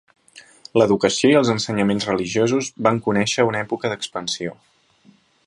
L'educació i els ensenyaments religiosos van conèixer una època d'expansió.